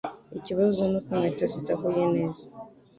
Ikibazo nuko inkweto zidahuye neza